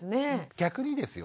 逆にですよ